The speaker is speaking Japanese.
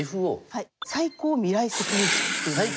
はい最高未来責任者っていうものです。